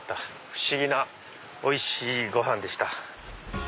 不思議なおいしいご飯でした。